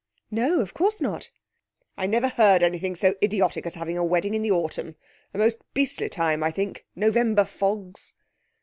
'No, of course not.' 'I never heard anything so idiotic as having a wedding in the autumn. A most beastly time, I think November fogs.'